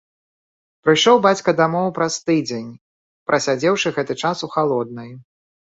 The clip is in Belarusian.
Прыйшоў бацька дамоў праз тыдзень, прасядзеўшы гэты час у халоднай.